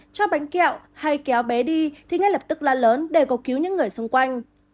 cho bánh kẹo hay kéo bé đi thì ngay lập tức la lớn để cầu cứu những người xung quanh